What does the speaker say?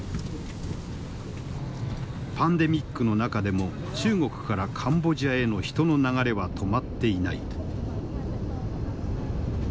パンデミックの中でも中国からカンボジアへの人の流れは止まっていない。